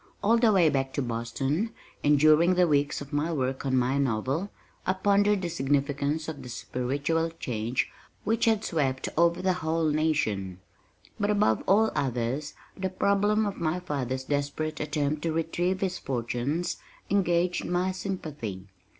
All the way back to Boston, and during the weeks of my work on my novel, I pondered the significance of the spiritual change which had swept over the whole nation but above all others the problem of my father's desperate attempt to retrieve his fortunes engaged my sympathy.